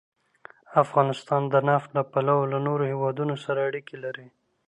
افغانستان د نفت له پلوه له نورو هېوادونو سره اړیکې لري.